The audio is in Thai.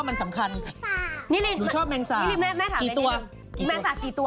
หมายถึงแมงสาอยังกี่ตัว